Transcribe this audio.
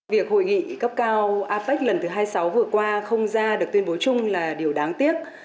việc hội nghị cấp cao apec lần thứ hai mươi sáu vừa qua không ra được tuyên bố chung là điều đáng tiếc